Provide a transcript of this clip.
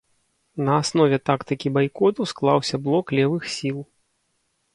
На аснове тактыкі байкоту склаўся блок левых сіл.